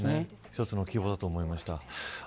一つの希望だと思いました。